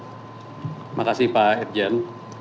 terima kasih pak herjen